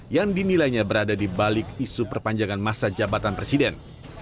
yang dinilainya berada di balik isu perpanjangan masa jabatan presiden